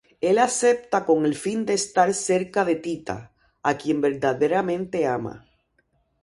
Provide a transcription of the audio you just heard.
Él acepta con el fin de estar cerca de Tita, a quien verdaderamente ama.